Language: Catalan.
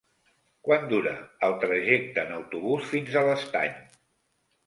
Quant dura el trajecte en autobús fins a l'Estany?